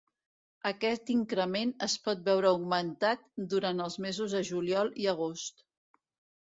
Aquest increment es pot veure augmentat durant els mesos de juliol i agost.